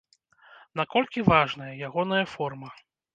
Наколькі важная ягоная форма?